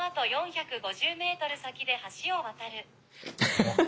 ハハハハ。